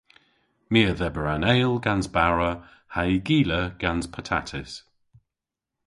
My a dheber an eyl gans bara ha'y gila gans patatys.